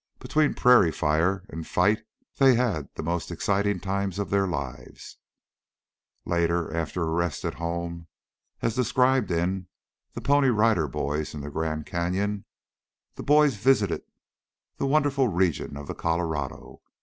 Between prairie fire and fight they had the most exciting time of their lives. Later, after a rest at home, as described in "The Pony Rider Boys in the Grand Canyon," the boys visited the wonderful region of the Colorado.